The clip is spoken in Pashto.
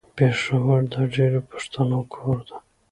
پېښور د ډېرو پښتنو کور ده.